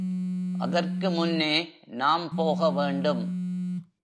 அதற்கு முன்னே நாம் போக வேண்டும்.